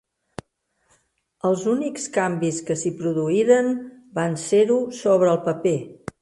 Els únics canvis que s'hi produïren van ser-ho sobre el paper